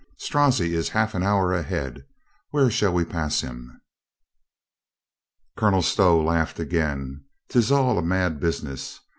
"Strozzi is half an hour ahead. Where shall we pass him?" Colonel Stow laughed again. " 'Tis all a mad bus iness.